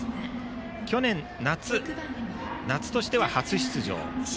去年夏、夏としては初出場。